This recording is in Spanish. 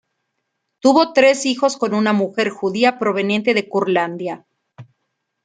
Tuvo tres hijos con una mujer judía proveniente de Curlandia.